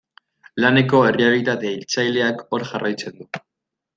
Laneko errealitate hiltzaileak hor jarraitzen du.